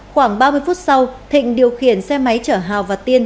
khoảng ba mươi phút sau thịnh điều khiển xe máy chở hảo và tiên